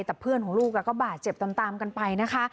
แต่เพื่อนของลูกก็บาดเจ็บตามกันไปนะคะ